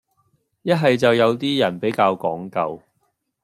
一係就有啲人比較講究